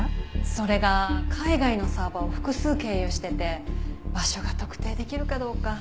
それが海外のサーバーを複数経由してて場所が特定できるかどうか。